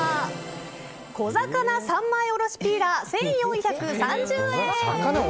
小魚三枚おろしピーラー１４３０円。